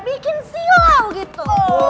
bikin silau gitu